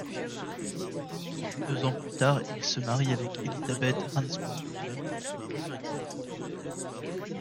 Deux ans plus tard, il se marie avec Elizabeth Hansbrough Bell.